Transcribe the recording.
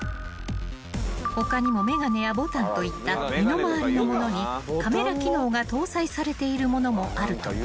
［他にも眼鏡やボタンといった身の回りの物にカメラ機能が搭載されている物もあるという］